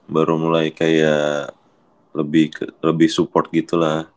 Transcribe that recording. baru mulai kayak lebih support gitu lah